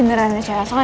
itu benar saya rasakan